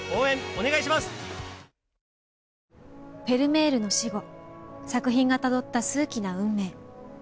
フェルメールの死後作品がたどった数奇な運命。